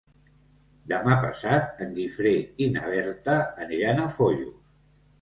Demà passat en Guifré i na Berta aniran a Foios.